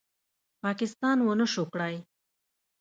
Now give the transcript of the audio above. پاکستان ونشو کړې